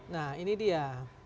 nah ini dia